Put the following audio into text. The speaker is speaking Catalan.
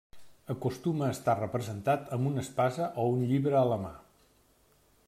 Acostuma a estar representat amb una espasa o un llibre a la mà.